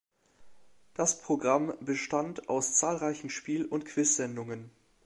Das Programm bestand aus zahlreichen Spiel- und Quizsendungen.